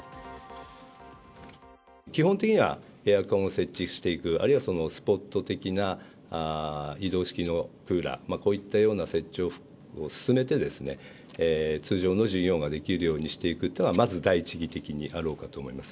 基本的にはエアコンを設置していく、あるいはそのスポット的な移動式のクーラー、こういったような設置を進めて、通常の授業ができるようにしていくっていうのがまず第一義的にあろうかと思います。